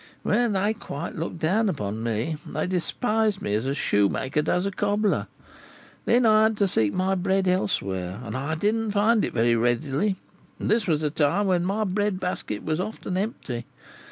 Well, they quite looked down upon me; they despised me as a shoemaker does a cobbler. Then I had to seek my bread elsewhere, and I didn't find it very readily; and this was the time when my bread basket was so often empty.